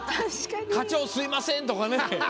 課長、すみません！とかね。